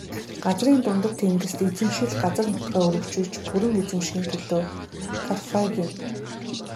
Газрын дундад тэнгист эзэмшил газар нутгаа өргөжүүлж бүрэн эзэмшихийн төлөө Карфаген.